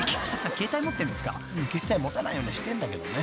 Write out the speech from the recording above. ［携帯持たないようにしてんだけどね。